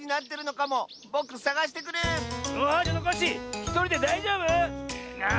ひとりでだいじょうぶ⁉ああ